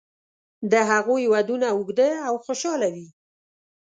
د هغوی ودونه اوږده او خوشاله وي.